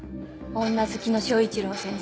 女好きの昭一郎先生